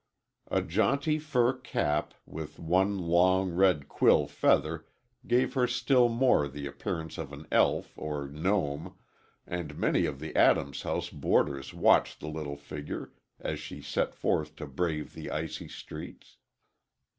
A jaunty fur cap, with one long, red quill feather gave her still more the appearance of an elf or gnome, and many of the Adams house boarders watched the little figure as she set forth to brave the icy streets.